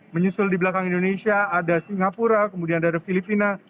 menyusul di belakang indonesia ada singapura kemudian ada filipina